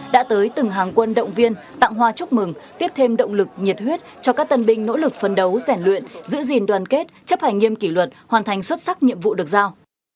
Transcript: đã tới từng hàng quân động viên tặng hoa chúc mừng tiếp thêm động lực nhiệt huyết cho các tân binh nỗ lực phấn đấu rèn luyện giữ gìn đoàn kết chấp hành nghiêm kỷ luật hoàn thành xuất sắc nhiệm vụ được giao